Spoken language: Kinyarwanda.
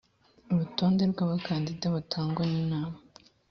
urutonde rw abakandida batangwa n inama